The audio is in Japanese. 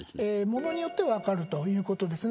ものによっては分かるということです。